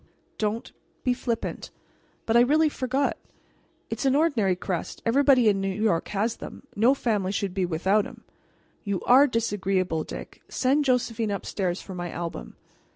"Don't be flippant." "But I really forget. It's an ordinary crest; everybody in New York has them. No family should be without 'em." "You are disagreeable, Dick. Send Josephine upstairs for my album."